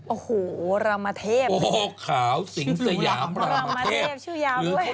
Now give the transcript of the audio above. โอ้โหรามเทพโพขาวสิงสยามรามเทพชื่อยาวด้วย